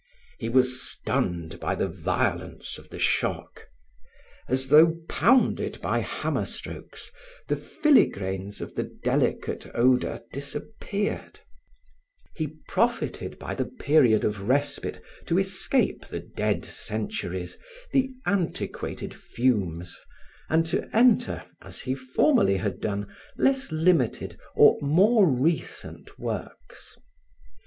He was stunned by the violence of the shock. As though pounded by hammer strokes, the filigranes of the delicate odor disappeared; he profited by the period of respite to escape the dead centuries, the antiquated fumes, and to enter, as he formerly had done, less limited or more recent works.